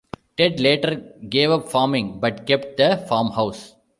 Ted later gave up farming, but kept the farmhouse.